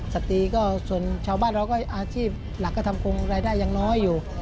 สตรีก็ส่วนชาวบ้านเราก็อาชีพหลักก็ทำคงรายได้ยังน้อยอยู่